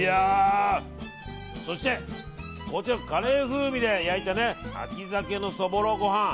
そして、こちらカレー風味で焼いた秋鮭のそぼろご飯。